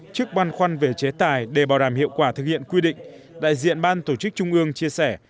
trước băn khoăn về chế tài để bảo đảm hiệu quả thực hiện quy định đại diện ban tổ chức trung ương chia sẻ